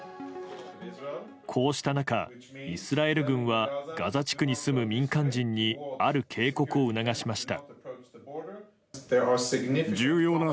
こうした中、イスラエル軍はガザ地区に住む民間人にある警告を促しました。